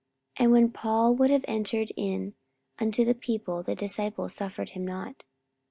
44:019:030 And when Paul would have entered in unto the people, the disciples suffered him not.